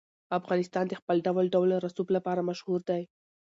افغانستان د خپل ډول ډول رسوب لپاره مشهور دی.